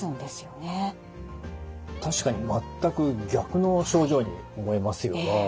確かに全く逆の症状に思えますよね。